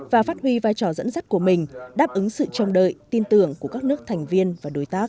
và phát huy vai trò dẫn dắt của mình đáp ứng sự trông đợi tin tưởng của các nước thành viên và đối tác